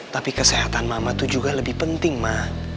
tapi kesehatan ma tuh juga lebih penting ma